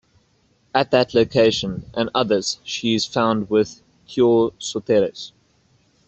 At that location and others she is found with "theoi soteres".